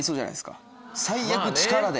最悪力で。